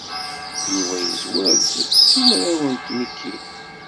Yuba yezwar-d s simraw n tmikin.